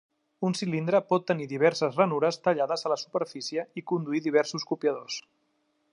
Un cilindre pot tenir diverses ranures tallades a la superfície i conduir diversos copiadors.